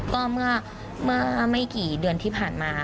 ก็เมื่อไม่กี่เดือนที่ผ่านมา